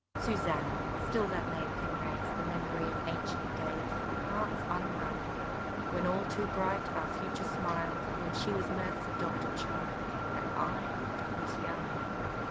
C. LAMB. Susannah! still that name can raise The memory of ancient days, And hearts unwrung: When all too bright our future smil'd, When she was Mirth's adopted child, And I—was young.